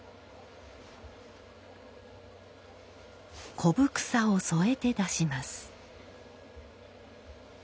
古帛紗を添えて出します。